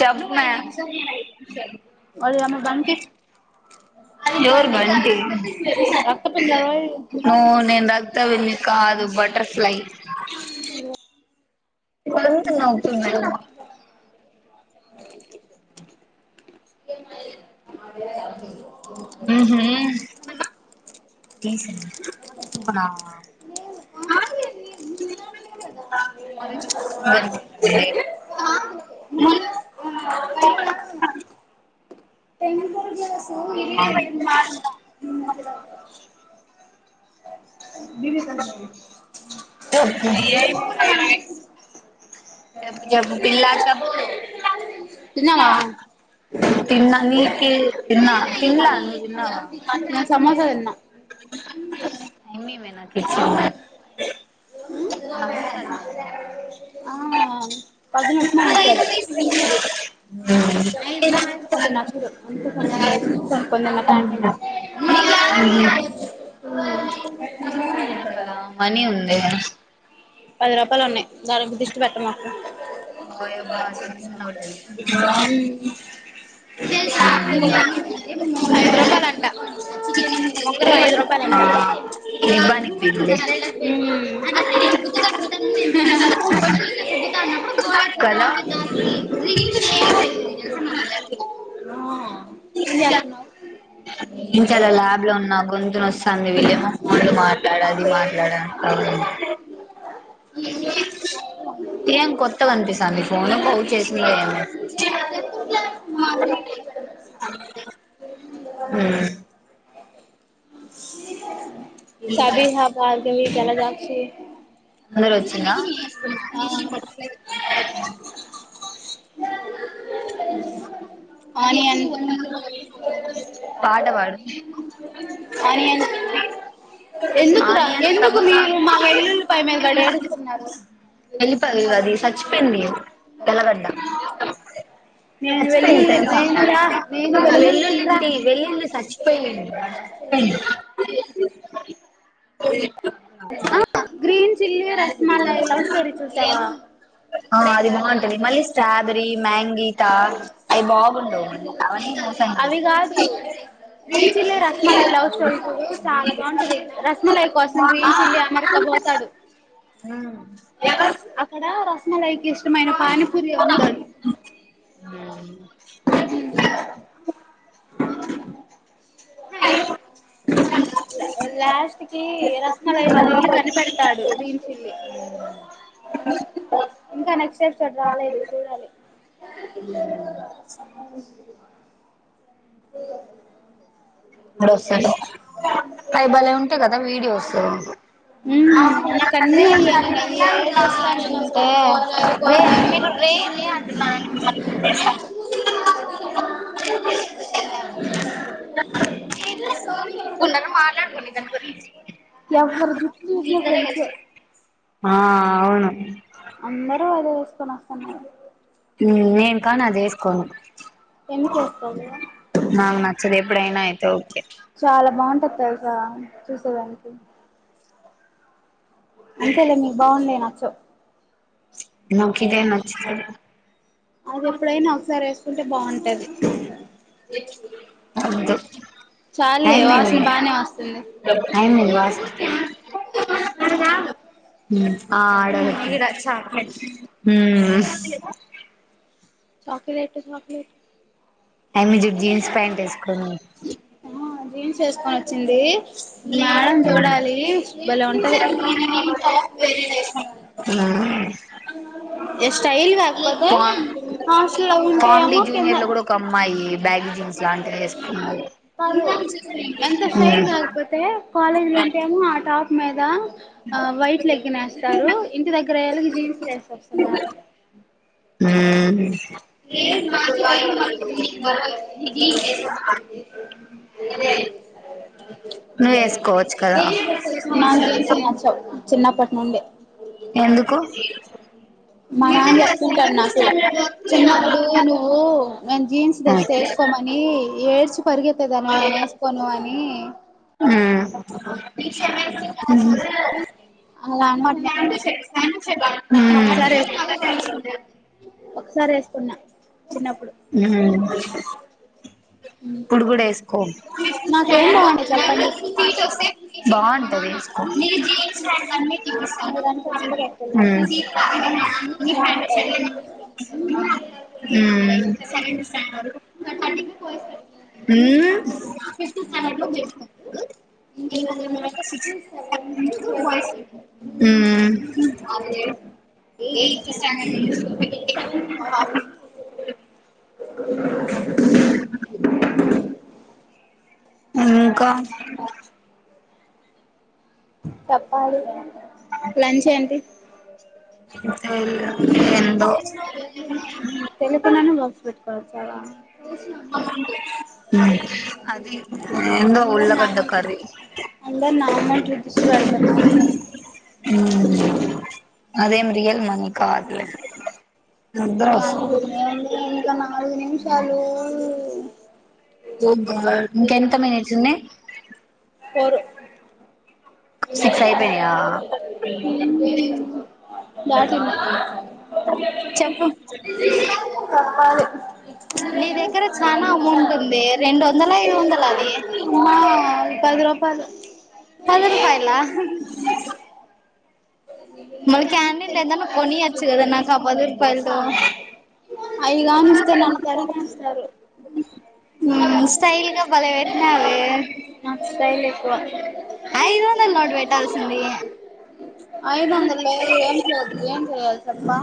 చెప్ మే, ఎవర్ బంటి నో నేన్ రక్త నీ కాదు బటర్ఫ్లై గొణుగుతున్నవ్ ఉప్పు బెన్ తీసా న్ కోంట టం సౌర్యం పెడి మాన్న దివ్య తోన్ చే తిన్నవా సమోస నే తిన్నా నా కిచ్చావ్ సమ్మె సాధి ఆ పదునొప్పుమా ఉంచారు, అది నచ్చదు అందుకే కొనుక్కొని తిన్నా క్యాంటీన్ లో. పది రూపాయలు ఉన్నాయి దానికి దిష్టి పెట్టమాక్ ఓ యాబ్బా చిన్న నోటెన్ ఐదు రూపాయల అంట ముగ్గురం ఐదు రూపాయలంట ర నో నేను చాలా ల్యాబ్ లో ఉన్నా గొంతునొస్తంది విలేమో వాల్లు మాట్లాడ అది మాట్లాడ అని [unintelligible] [unintelligible] చభి హ బగ [unintelligible] ఎలా జాక్షి అందరూ వచ్చింద ఆనియన్ పాట పాడు ఎందుకు రా ఎందుకు మీరు మా వెలుల్ పై మీద గడ ఏడుస్తున్నారు నేను వెల్లుల్లి నీను వెల్లుల్లి నీ ర అ [inaudible] గ్రీన్ చల్లి రస్మాల లవ్ స్టోరీ చూసావా ఆ అది బాగుంటుంది మళ్ళీ స్ట్రాబెరీ మ్యాంగీటా అవి బాగుండవు అవన్నీ మోసాయం చేస్త గ్రీన్ చిల్లీ అమరక పోతాడు అక్కడ రసమలై అద్భుతమైన పానీ పూరి అమ్ముతాడు లాస్ట్ కి రా మళ్ళా వాళ్ళు ఇల్లు కనిపెడతాడు గ్రీన్ చిల్లి ఇంకా నెక్స్ట్ అక్కడ రాలేదు చూడాలి ఊ ఊ ఇప్పుడ వస్తుంది పైబలే ఉంటాయి గదా వీడియోస్ ంటేేంట [unintelligible] ఎ స్ మాట్ [unintelligible] ఆ అవును అన్న అ అదే వస్తుని వస్తాన్నారు [unintelligible] మ్మ్ నేను కానదేసుకోను ఎందుకేస్కోవు నాకు నచ్చదు ఎప్పుడయినా అయితే ఓకే ట తెల్సా చూసేదానికి అంతేలే మీకు బాగుండాయి నాకు స నాకిదేమి నచ్చలే అది ఎప్పుడైనా ఒకసారి ఏస్ కుంటే బాగుంటది అంతే టైమ్ అయింది ఆయమ్మ వాస మ్మ్ ఆడ పెట్టు మ్మ్ చాక్లేట్ చాక్లేట్ ఆయమ్మి చూడు జీన్స్ ప్యాంట్ ఏసుకొని జీన్స్ ఏస్కొనొ వచ్చింది మేడం చూడాలి భలే ఉంటది ఏ స్టైల్ కాక్ వాన్ కామెడీ జూనియర్ లో కూడా ఒక అమ్మాయి బ్యాగీ జీన్స్ లాంటిది ఏసుకున్నాది మెద ఆ వైట్ లెగిన్ వేస్తారు ఇంటి దగ్ క్రేలు జీన్స్ లే హ్మ్ నాకు జీన్స్ లు నచ్చవ్. చిన్నప్పటి నుండి మా నాన్న చెప్తుంటాడు నాకు. చిన్నప్పుడు నువ్వు మేము జీన్స్ తెస్తే ఏస్కోమని. ఏడ్చి పరిగెత్తేదానివి నేనేసుకోను అని. మ్మ్ మ్మ్ హ్మ్. సం చె బా. హ్మ్. కున్నా. చిన్నప్పుడు ఇప్పుడు గూడ ఏసుకో బాగుంటది హ్మ్. ఉమ్ ఊమ్ ఉమ్ ఎయి. డుక్ బుక్. ఇంకా. చెప్పాలి లంచ్ ఏంటి. హు. సు. తెలీకుండానే బాక్స్ పెట్ కొచ్చావా? ఉమ్ అది ఎందో ఉల్లగడ్డ కర్రీ అదీం రియల్ మనీ. కాదులే. ఇగ వాషింగ్ మిషినే ఉంది ఇంకా నాలుగు నిమిషాల్ ట లోల్లి [unintelligible] ఇంకెంత మందొచ్చిరు [unintelligible] దాటింది నీ దగ్గర చానా అమౌంట్ ఉంది, రెండు వందల ఐదు వందలది? పది పధి రూపాయలా? మళ్ళ క్యాంల్ ఏదనా కొనియచ్చు గదా నాకా పది రూపాయలతో. నీ స్టైల్గా భలే పెట్టినావే? స్టైలెక్కువ ఐదు వందల నోటు పెట్టాల్సింది? ఐదుందల్ లేవి ఏం చ ఏం రూల్సెప్మా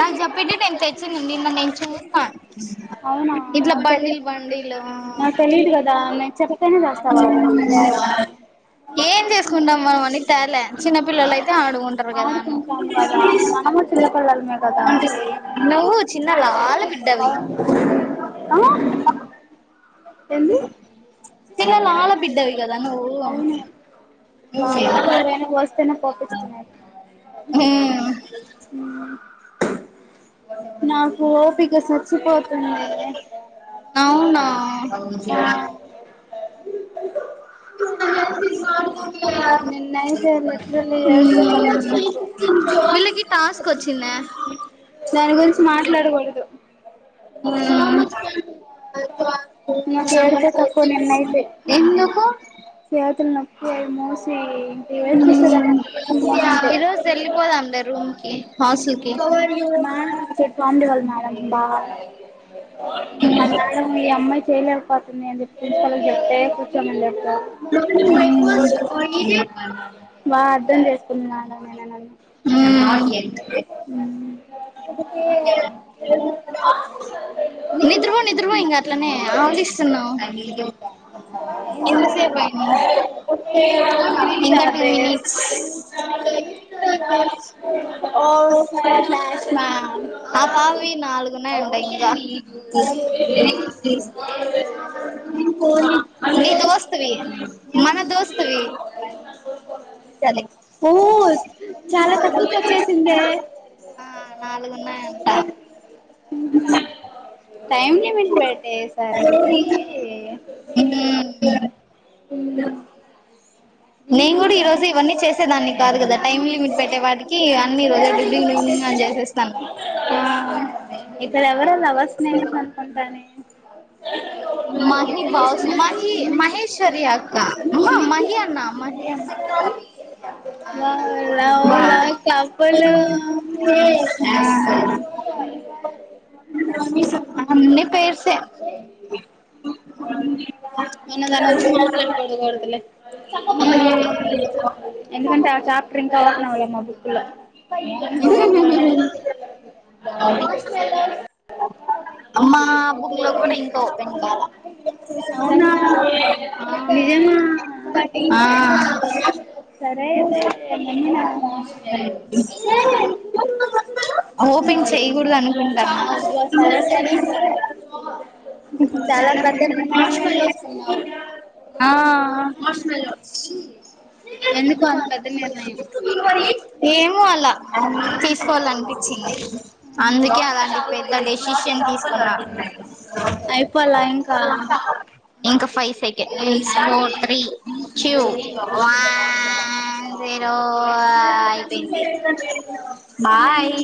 నాకు చెప్పిన్టె నేను తెచ్చిందు నిన్న నేను చూసా ఇట్లా బండిలు బండిలు ఏం చేసుకుంటాం మనం? కని తేలే చిన్న పిల్లలయితే ఆడుగుంటరు గదా నీ. కదా మనము చిన్నపిల్లలమే కదా ఆ చిలలో ఆళ బిద్దవి కదా నువు [inaudible] కోపిస్తున్నా మ్మ్ నాకు ఒపిక స చ్చిపోతుంది ఆ నిన్న అయితే లిటరలీ ఎద్దుపూ దాని గురించి మాట్లాడకూడదు నాకు ఎద్దుపే తక్కువ నిన్నైతే చేతులు నో ఏమో చే ఏడిచేసేదాని మస అంటే మేడం చెట్ పండేవాళ మేడం బా ఆ మేడం ఈ అమ్మాయి చేలర్ పోతున్నాయి అని చెప్ ఇ చెప్పతే కూర్చోమంది అక్క బాద్ అర్థం చేసుకున్నాడా మేడమ్ నన్నూ మ్మ్ నిద్రపో నిద్రపో ఇంకా అట్లనే ఆవలిస్తున్నావు ఎంత సేపూ అయింది ఇంకా త్రీ మినిట్స్ ఆ పావి నాలుగున్నాడి ఇంకా నీ దోస్తువి మన దోస్తువి అ ఓ చాలా తక్కువకు వచ్చేసిందే టైం లిమిట్ పెట్టేసరికి నేను కూడా ఈ రోజు ఇవన్నీ చేసేదాన్ని కాదు కదా టైం లిమిట్ పెట్టే వాటికి అన్ని ఈ రోజు డ్రి నింగ్ నింగ్ అని చేసేస్తాను ఇప్పుడు ఎవరు అవస్ స్నేహమ్స్ చెప్అంటానే అ మాహీ బాస్ మాహీ మహేశ్వరి అక్క మహి అన్నా మహి అన్న అన్ని పేర్సె మన్న దాన్ని మాట్లాడుకోడుదుడదలే చెంప పగిలిద్ది. ఎందుక చా చాప్ ట్రింక్ క్ అవుతున్నా వాయ్యా మా బుక్ లో అవునా నిజమా ఆ అ సరే సరే సరే చాలా పెద్ద నిర్ణయమే తీసుకున్నావ్ [unintelligible] ఏమో అలా తీసుకోవాలనిపించింది అందుకే అలాంటి పెద్ద డెసిషన్ తీసుకున్నా ఇంకా ఫైవ్ సెకండ్ఎల్ స్కూల్ త్రీ ఇ [unintelligible] వన్ జీరో అయిపోయింది. బాయ్.